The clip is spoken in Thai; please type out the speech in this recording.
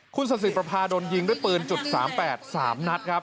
คุณศสิภรภาโดนยิงด้วยปืน๓๘